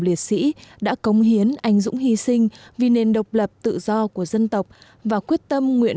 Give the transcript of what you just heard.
liệt sĩ đã cống hiến anh dũng hy sinh vì nền độc lập tự do của dân tộc và quyết tâm nguyện